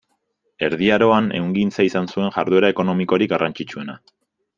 Erdi Aroan ehungintza izan zuen jarduera ekonomikorik garrantzitsuena.